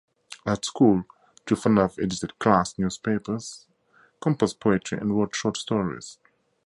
At school, Trifonov edited class newspapers, composed poetry and wrote short stories.